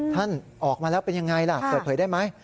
ท่านออกมาแล้วเป็นยังไงล่ะเปิดเผยได้ไหม